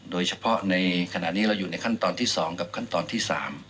โดยเฉพาะในขณะนี้เราอยู่ในขั้นตอนที่๒กับขั้นตอนที่๓